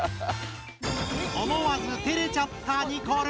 思わずてれちゃったニコル！